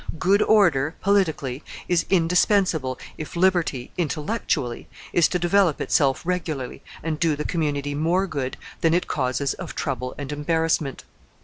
Good order, politically, is indispensable if liberty, intellectually, is to develop itself regularly and do the community more good than it causes of trouble and embarrassment.